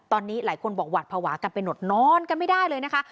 ตอนนี้หลายคนบอกหวาดภาวะกันไปหมดนอนกันไม่ได้เลยนะคะ